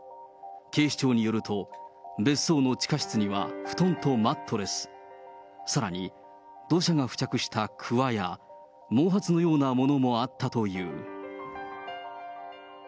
警視庁によると、別荘の地下室には布団とマットレス、さらに土砂が付着したくわや、毛髪のようなものもあったという。